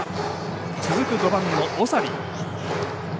続く５番の長利。